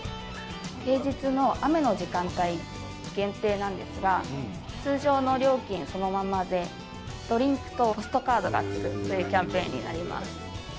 平日の雨の時間帯限定なんですが、通常の料金そのままで、ドリンクとポストカードがつくというキャンペーンになります。